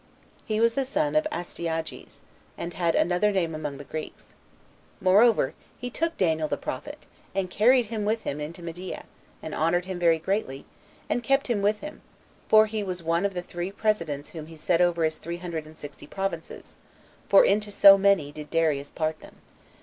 He was the son of Astyages, and had another name among the Greeks. Moreover, he took Daniel the prophet, and carried him with him into Media, and honored him very greatly, and kept him with him; for he was one of the three presidents whom he set over his three hundred and sixty provinces, for into so many did Darius part them.